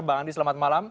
bang andi selamat malam